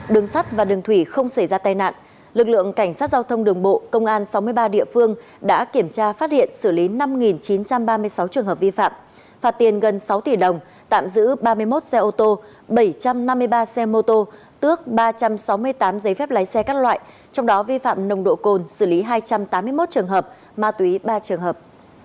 đường sắt và đường thủy không xảy ra tai nạn lực lượng cảnh sát giao thông đường bộ công an sáu mươi ba địa phương đã kiểm tra phát hiện xử lý năm chín trăm ba mươi sáu trường hợp vi phạm phạt tiền gần sáu tỷ đồng tạm giữ ba mươi một xe ô tô bảy trăm năm mươi ba xe mô tô tước ba trăm sáu mươi tám giấy phép lái xe các loại trong đó vi phạm nồng độ cồn xử lý hai trăm tám mươi một trường hợp ma túy ba trường hợp